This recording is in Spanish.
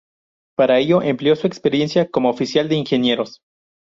Para ello empleó su experiencia como oficial de ingenieros.